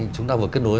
chúng ta vừa kết nối